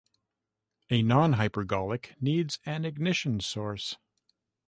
A nonhypergolic needs an ignition source.